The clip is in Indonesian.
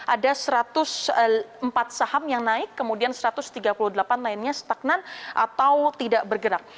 ada satu ratus empat saham yang naik kemudian satu ratus tiga puluh delapan lainnya stagnan atau tidak bergerak